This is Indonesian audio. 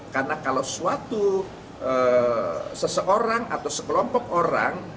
karena kalau suatu seseorang atau sekelompok orang